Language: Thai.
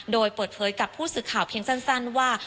โดยเปิดเผยกับผู้สื่อข่าวเพียงสั้นว่า